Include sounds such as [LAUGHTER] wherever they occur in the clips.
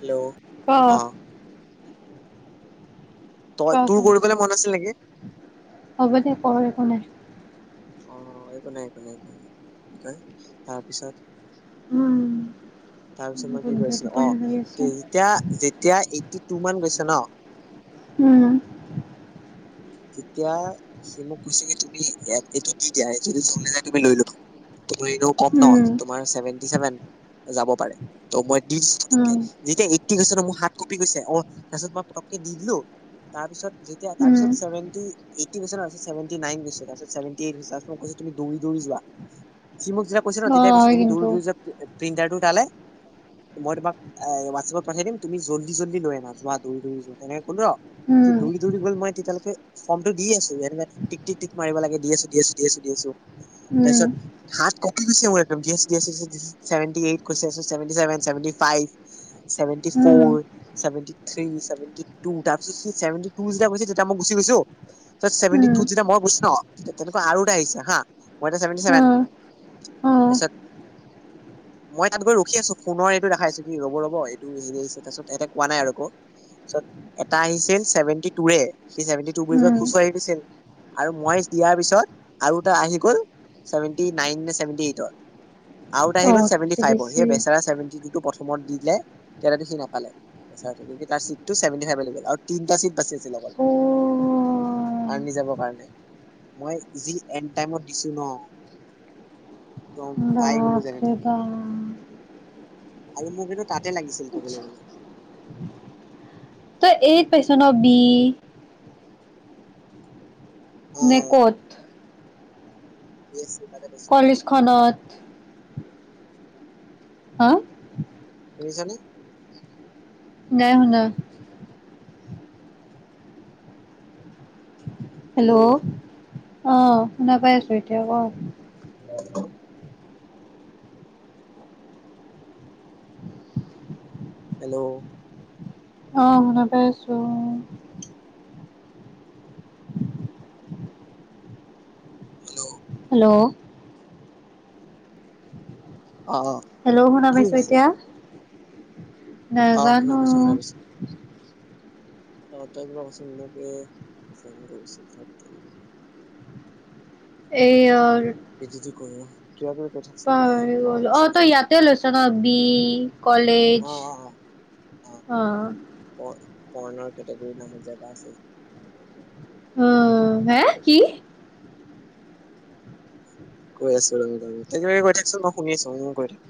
Hello অ। ক তই ক তোৰ কৰিবলৈ মন আছিল নেকি? হ'ব দে কৰ একো নাই। অ একো নাই একো নাই তই তাৰপিছত- উম তাৰপিছত মই কি গধুৰ কৰিছিলো অ টোপনি লাগি আছে। তেতিয়া- যেতিয়া এইটটি টো মান গৈছে ন- উম। তেতিয়া সি মোক কৈছে কি তুমি ইয়াত এইটো দি দিয়া যদি চলি যায় তুমি লৈ লবা। তোমাৰ এনেও কম ন উম তোমাৰ ছেভেনটি ছেভেন যাব পাৰে। ত মই দিছো পতকে উম যেতিয়া এইটটি হৈছে ন মোৰ হাত কপি গৈছে অ তাৰপিছত মই পটককে দি দিলো- তাৰপিছত যেতিয়া উম তাৰপিছত- ছেভেনতি এইটটি হৈছে ন ছেভেনতি নাইন দিছোঁ তাৰ পিছত ছেভেনতি এইত হৈছে তাৰ পিছত মোক কৈছে তুমি দৌৰি দৌৰি যোৱা। সি মোক যেতিয়াই কৈছ ন অ তেতিয়াই কৈছো হয় তুমি কিন্তু দৌৰি দৌৰি যোৱা প্ৰিণ্টাৰটো টালে। মই তোমাক এ হোৱাটছএপত পঠাই দিম তুমি জল্দি জল্দি লৈ আনা যোৱা দৌৰি দৌৰি যোৱা তেনেকে ক'লো ন। সি উম দৌৰি দৌৰি গ'ল মই তেতিয়ালৈকে- ফৰ্মটো দিয়ে আছো এনেক টিক টিক টিক মাৰিব লাগে দি আছো দি আছো দি আছো দি আছো। উম তাৰপিছত। হাত কপি গৈছে মোৰ একদম, গেছ গেছ হৈছে [UNINTELLIGIBLE] চেভেণ্টি এইট কৈছে, চেভেণ্টি চেভেন, চেভেণ্টি ফাইভ। চে উম four. Seventy three, seventy two, তাৰপাছত চাইছোঁ চেভেণ্টি টু যেতিয়া কৈছে তেতিয়া মই গুচি গৈছো। তাৰ পাছত চেভেণ্টি উম টুত যেতিয়া মই গৈছোঁ ন তেনেকুৱা আৰু এটা আহিছে হা মই এতিয়া চেভেণ্টি অ চেভেন। অ এচত। [UNINTELLIGIBLE] মই তাত গৈ ৰখি আছো, ফোনৰ এইটো দেখাই আছো, কি ৰ'ব ৰ'ব এইটো হেৰি আহিছে, তাৰপাছত এহেতে কোৱা নাই আৰু একো। চত এটা আহিছিল চেভেণ্টি টুৰে, সি চেভেণ্টি টু বুলি কৈ উম খুচহৈ আহি গৈছিল। আৰু মইজ দিয়াৰ পিছত আৰু এটা আহি গ'ল। চেভেণ্টি নাইন নে চেভেণ্টি এইটৰ, আৰু এটা অ আহি গ'ল চেভেণ্টি তাতকে ফাইভৰ বেছি সেই বেচেৰাই চেৱেন্তি টুটো প্ৰথ থমত দি দিলে, তেতিয়া টো সি নাপালে। [UNINTELLIGIBLE] কি তাৰ চিটটো চেভেণ্টি ফাইভে লৈ গ'ল আৰু তিনিটা চিট বাচি আছিল অকল। অ আৰ্মি যাবৰ কাৰণে, মই যি এন টাইমত দিছো ন তম, পাই গলো। যেনে তেনে সেইটা অ' আৰু মোৰ কিন্তু তাতে লাগিছিল ক'বলে গ'লে। তই এইট পাইছ ন বি অ নে ক'ত? বি এছ চি তাতে পাইছো কলেজখনত। হা? শুনিছানে? নাই শুনা। হেল্ল', অ', শুনা পাই আছোঁ, এতিয়া ক [UNINTELLIGIBLE] হেল্ল'। অ', শুনা পাই আছো। হেল্ল'। হেল্ল'। অ' হেল্ল', শুনা কি পাইছ হৈছে এতিয়া, অ শুনা নাজানো। পাইছো শুনা পাইছো অ', তই কিবা ক' চুন মোক এই ফোন কৰিছিল ধেত তেৰি। এই য়ৰ এ, যি টি কৰো, কিবা কিবি কৈ থাক। পাহৰি গলোঁ, অ', তই ইয়াতে লৈছ ন বি অ কলেজ অ অ' প-পৰ্ণৰ কেটেগৰীত নামত জেগা আছে যে। অ', হে কি? কৈ আছো [UNINTELLIGIBLE] তই কিবা কিবি কৈ থাকচোন, মই শুনি আছো ও ও কৈ থাক।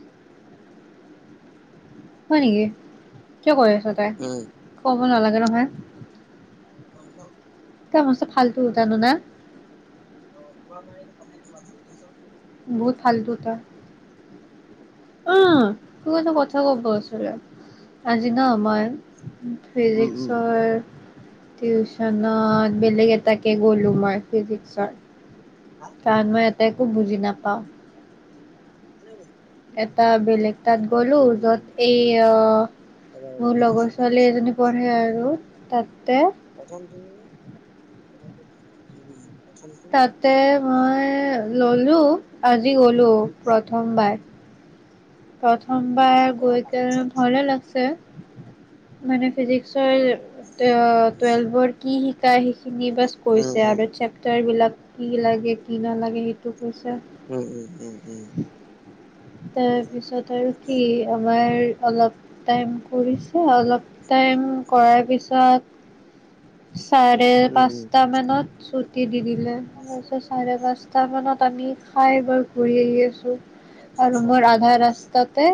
হয় নেকি, কিয় কৰি আছ তই, উম ক'ব নালাগে নহয়। অ', হেল্ল' এটা মস্ত ফালটো উঠানো না। অ', তোমাৰ মই এইতো পথাই দিছোঁ হোৱাটছএপত চোৱা চুন। বহুত ফালটো তই। অঁ' তোক এটা কথা কব আছিলে, আজি ন মই- উম উম ফিজিক্সৰ- টিউচনত বেলেগ এটাকে গ'লো মই ফিজিক্সত। হাঁ' কাৰণ মই ইয়াত একো বুজি নাপাওঁ। কোন ফালে গলি? এটা বেলেগ- তাত গ'লো য'ত উম এই ৰবা আহ ৰবা মোৰ দি আছো লগৰ গৈ ছোৱালী আছো গৈ এজনী আছো পঢ়ে আৰু- তাতে, - প্ৰথম তুমি প্ৰথম তুমি- প্ৰথমটো বি তাতে হা মই ললো আজি গলো প্ৰথমটো বি প্ৰথমবাৰ। প্ৰথমটো বি প্ৰথমবাৰ টিক কৰা গৈ লাইন কেনে চাৰ্জ ভালে লাগিছে, মানে ফিজিক্সৰ- অ ছেকেণ্ডটো চি টোৱেলভৰ কি শিকায় সেইখিনি বাচ উম কৈছে উম আৰু চেপটাৰ বিলাক। কি লাগে কি নালাগে সেইটো কৈছে আও। উম উম উম উম'। তিনি তাৰপিছত আৰু নম্বৰটো বি কি আমাৰ অলপ টাইম কৰিছে অলপ- চাৰি টাইম নম্বৰটো বি কৰাৰ পিছত চাৰে উম উম পাঁচটা মানত- ছুটী দি দিলে, পাঁচ তাৰপিছত নম্বৰটো চাৰে বি পাঁচটা মানত আমি খাই বৈ ঘূৰি আহি আছো। তাৰপিছত আৰু ছয় মোৰ আধা নম্বৰটো বি ৰাস্তাতে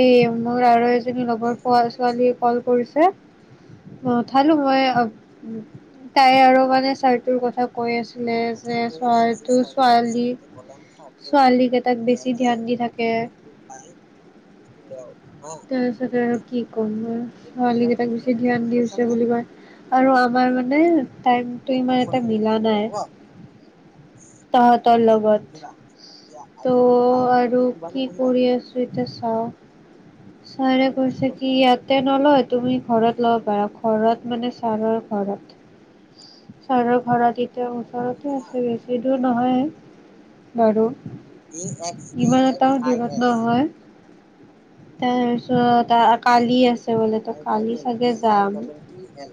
এই- মোৰ হ'ল আৰু এজনী লগৰ ইয়াৰ পঢ়া ফিংগাৰ লাইন চেভ ছোৱালীয়ে কল কৰিছে- নোঠালো মই তাই আৰু মানে ছাৰ তোৰ কথা কৈ আছে। অ মানে যে প্ৰথমটো এক্সিছ ছোৱালীটো টাইটেল ছোৱালী ছেকেণ্ডটো কলম থাৰ্ডটো ছোৱালী গেটাক বেছি- ধ্যান দি থাকে [UNINTELLIGIBLE] তাৰপিছত আৰু কি ক'ম হয়, এই মই দিয়া ছোৱালী গেটাক বেছি এইটো ধ্যান বুজি পাইছানে দিছে নাই বুলি কয়। আৰু আমাৰ মানে টাইমটো আৰু টু ইমান ফৰ এটা খিনি মিলা লিখি ল'বা নাই। হ'ব আৰু তাহঁতৰ ভালকে লগত। পঢ়িবা এতিয়া আৰু ত' অলপ পঢ়া আৰু এতিয়া শুবা নে কি পঢ়িবা কৰি আছো- ছোতে চাওঁ- অ ছাৰে কৈছে ৰাতিপুৱা কি পঢ়িবা ইয়াতে নলয় তুমি ঘৰত লব পাৰা। ঘৰত মানে ছাৰৰ ঘৰত, ছাৰৰ ঘৰত এ- এতিয়া ভালকে পঢ়িবা ওচৰতে হা আছে বেছি দূৰ নহয় বাৰু। এ এক্স এ ইমান এক্স এটা আই দূৰত এছ নহয়। তাৰপিছত আ আ কালি আছে। ত বোলে তো আৰু কালি টাইটেল চাগে টি আই যাম। ডাবল টি এল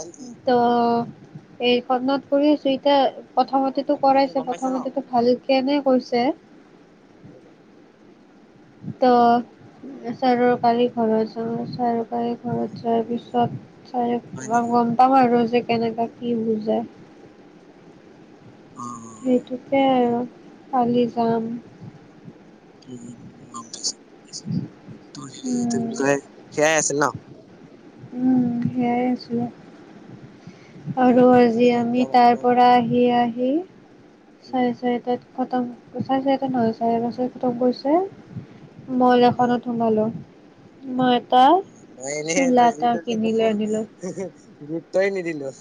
এল ই এইখনত পঢ়ি চুইটাৰ- অ প্ৰথমতেতো বাকী খিনি কৰাইছে গম পাইছা ন প্ৰথমতেতো ভাল কেনে কৈছে। হ'ব দিয়া। ত' চাৰৰ কালি ঘৰত যাম চাৰ কালি ঘৰত যোৱাৰ পিছত- ছাৰক হয় নেকি গম পাম আৰু যে, কেনেকা কি বুজায়? অ অ সেইটোতে গম পালো আৰু কালি যাম। উম উম' গম পাইছো পাইছো, তোৰ হেৰি কি উম বুলি কয় সেয়াই আছিল ন। উম' সেয়াই আছিলে। আৰু ধন্যবাদ দে আজি আমি একদম তাৰ আপোনাক পৰা আহি আহি- উম চাৰে চাৰিটাত খতম চাৰে চাৰিটাত নহয়, চাৰেটা পাঁচটাট খতম কৰিছে। অ মইলাখনত সোমালো। মই এটা অ মই এনে তই চোলা যি এটা কৰি থাক কিনিলৈ আনিলো। গুৰুত্বই নিদিলে।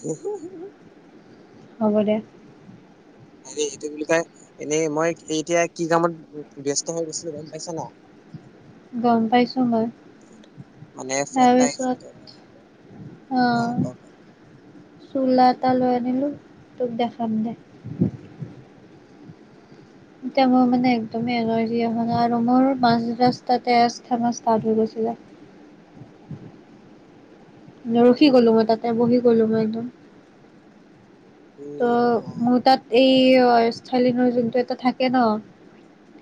হ'ব দে। হেৰি এইটো বুলি কয় এনেই মই এতিয়া কি কামত ব্যস্ত হৈ গৈছিলো গম পাইছা না? গম পাইছো মই। মানে ফোন এটা আহিছিল তাৰপিছত ত' মই আহ অ' ক ক। চোলা এটা লৈ আনিলো তোক দেখাম দে। এতিয়া মোৰ মানে একদমেই এনাৰ্জি অহা নাই আৰু মোৰ মাজ ৰাস্তাতে ষ্ঠেমা ষ্টাৰ্ট হৈ গৈছিলে। ৰখি গ'লোঁ উম, মই তাতে বহি গ'লোঁ মই একদম। এই ত' ৰাম মোৰ তাত এই অ' এস্থালিনৰ যোনটো এটা থাকে ন।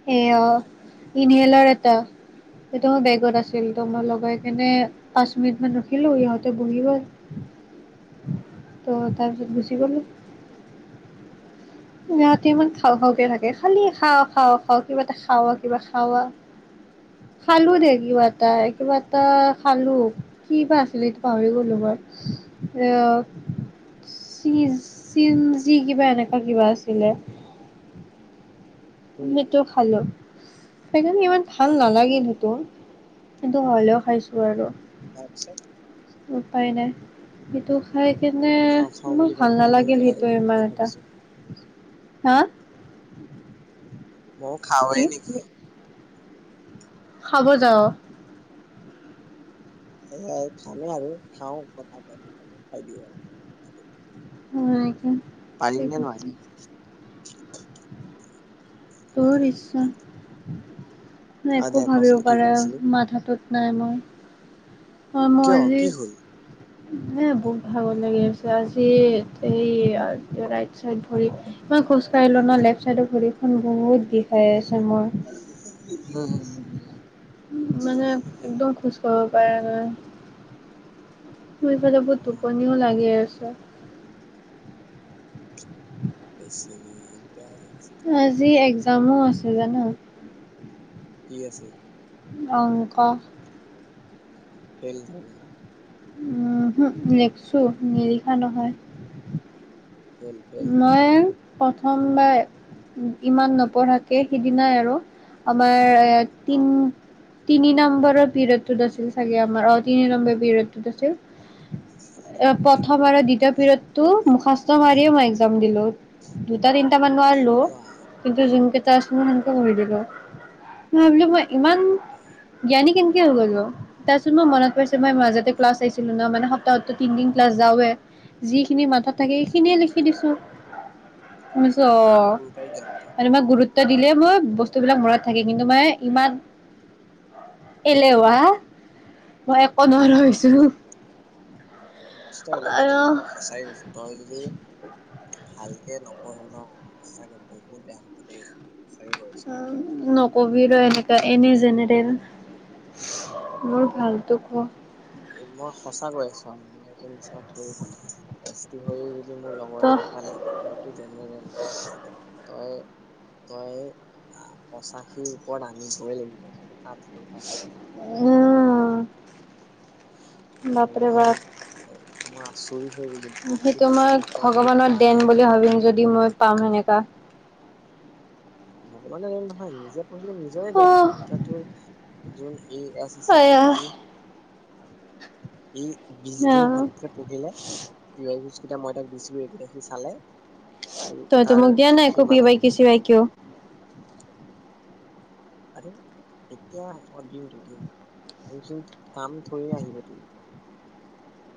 সেয়া ইনহেলাৰ এটা। সিটো বেগত আছিল ত' মই লগাই কেনে পাঁচ মিনিট মান ৰখিলোঁ সিহঁতে বহি গ'ল। ত' তাৰপিছত গুচি গ'লোঁ। সিহঁতে ইমান খাওঁ খাওঁকে থাকে। খালি খাওঁ খাওঁ খাওঁ কিবা এটা খাওঁ আৰু কিবা খাওঁ আৰু। খালোঁ দে কিবা এটা কিবা এটা খালোঁ। কিবা আছিলে সিটো পাহৰি গ'লোঁ মই অ' চিজ চিমঞ্জি কিবা এনেকুৱা কিবা আছিলে। উম, সেইটো উম, খালোঁ। সেইকাৰণে ইমান ভাল নালাগিল সেইটো, কিন্তু হ'লেও খাইছোঁ আৰু। তাৰপিছত? উপায় নাই। সেইটো খাই কেনে খাওঁ খাওঁ মোৰ বুলি ভাল কওঁতেনে ময়ো নালাগিল খাই সেইটো দিওঁ নেকি ইমান এটা। ভাবিছো। হা? ময়ো খাৱে কি নেকি? খাব যাৱ? সেয়াই খামেই আৰু খাওঁ কথা পাতি পাতি খাই দিওঁ আৰু পাতি পাতি। হয় নেকি, ঠিক আছে। বহুত ইচ্ছা মই অ', একো দে ভাবিব কচোন কি পাৰা কৈ আছিলি? মাথাটোত নাই মই। অ', মই কিয় আজি কি হ'ল? এ বহুত ভাগৰ লাগি আছে আজি সেই অ' ৰাইট চাইড ভৰি মই খোজ কঢ়িলোঁ ন লেফ্ট চাইডৰ ভৰিখন বহুত বিষাই আছে মোৰ। [INAUDIBLE] মানে একদম খোজ কঢ়িব পাৰা নাই। মোৰ এইফালে বহুত অ', টোপনিও লাগে আছে। বেচেৰি বেয়াই লাগিছে। তোৰ গাত। আজি একজামো আছে জান! কি আছে? অংক। ফেইল চাগে ন? উহো, লেখছোঁ নিলিখা নহয়। ফেল ফেল মইয়ে প্ৰথমবাৰ ইমান নপঢ়াকে সিদিনাই আৰু আমাৰ ইয়াত তিন অ'। তিনি নম্বৰৰ পিৰিয়ডতটোত আছিল চাগে আমাৰ অ' তিনি নম্বৰ পিৰিয়ডতটোত আছিল। [INAUDIBLE] প্ৰথম আৰু দ্বিতীয় পিৰিয়ডটো মুখষ্ট মাৰিয়ে মই একজাম দিলো। দুটা তিনটামান নোৱাৰিলোঁ। বাহ, কিন্তু যোনকেইটা আছিল। মই সেনকে কৰি দিলোঁ। মই ভাবলোঁ মই ইমান [UNINTELLIGIBLE] জ্ঞানী কেনকে হৈ গ'লনো তাৰপিছত মই মনত পৰিছে। মই মাজতে ক্লাছ আহিছিলোঁ ন মানে সক তাৰপিছত তিনদিন ক্লাছ যাওঁয়ে যিখিনি মাথাত থাকে। সি উম, সিখিনিয়ে লিখি দিছোঁ। শুনিছোঁ অ, সৰুৰ পৰাই জ্ঞান তই মানে মই গুৰুত ত', দিলে মই বস্তুবিলাক মনত থাকে। কিন্তু মই ইমান এলেহুৱা মই একো নোৰা হৈছোঁ। নষ্ট হলি ভাইটী আৰু মই সঁচাই কৈছোঁ তই যদি ভালকে নপঢ় ন, সঁচাকে বহুত বেয়া হ'ব দেই। সঁচাকে কৈ আছো অ', নকবি ৰ এনেকুৱা এনে জেনেৰেল মোৰ ভালটো কোৱা মই সঁচা আছো আৰু মই এইটো নিচ থৰি পম্তি হৈ [UNINTELLIGIBLE] মোৰ ত লগৰে নাপালে হয়তো জেনেৰেল তই তই পঁচাশীৰ ওপৰত আনি দই লাগিব। তাত উম', বাপৰে ইমান বাপ মই আচৰিত হৈ গলো আশী সেইটো মই পাৰ্চেন্ট কিতাপ যদি ভগৱানৰ পোৱা দেন নাই। বুলি ভাবিম যদি মই পাম এনেকা ভগৱানে দেন নহয়। নিজে পঢ়িলে নিজৰে দেন অহ আৰু এতিয়া যোন এই যে আয়া ই ই বিশ দিন ভালকে পঢ়িলে। [UNINTELLIGIBLE] কেইটা মই তাক দিছিলো। এইকেইটা সি চালে। আৰু তইতো তাৰ মোক দিয়া নাই। একো পি সিমান বাই আহি গ'ল কিচি বাই কিয়ও। আৰে এতিয়া মই দিমতো দিমচোন কাম থৰিয় আহিব তোৰ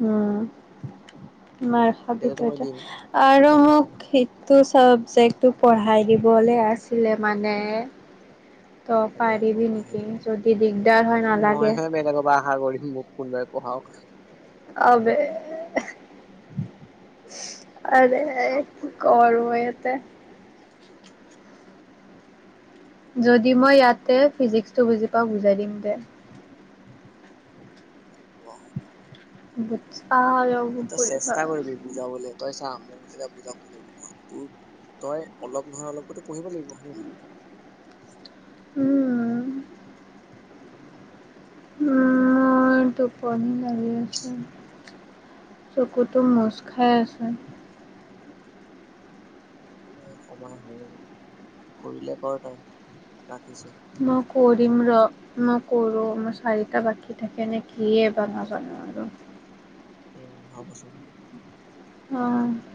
উম', মাৰ খাবি তেতিয়াতো তই মই এতিয়া দিম আৰু টেনচন মোক নকৰা সে তোৰ চাবজেক্টটো পঢ়াই দিবলৈ আছিলে, মানে তই আৰু আকৌ পাৰিবি পঢ়াই নেকি যদি দিগদাৰ হয়, নালাগে। বেলেগ বা আশা কৰিম মোক কোনোবাই পঢ়াওক আবে আৰে কি কৰোঁ ইয়াতে যদি মই ইয়াতে ফিজিক্সটো বুজি পাওঁ। বুজাই দিম দে। অ', [UNINTELLIGIBLE] ত', চেষ্টা কৰিবি। বুজাবলে তই চা মোক যেতিয়া বুজাবলৈ লবি ন তোৰ তই অলপ নহয় অলপ উম', মই টোপনি লাগি আছোঁ। চকুটো মোজ খাই আছে। সময় হয়, কৰিলে কৰ তই ৰাখিছো। মই কৰিম ৰ মই কৰো মোৰ চাৰিটা বাকী থাকে নে, কিয়ে বা নাজানো আৰু উম', হ'বচোন অ',